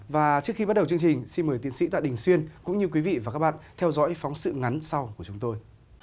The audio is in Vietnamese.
và trước khi bắt đầu chương trình xin mời tiến sĩ tạ đình xuyên cũng như quý vị và các bạn theo dõi phóng sự ngắn sau của chúng tôi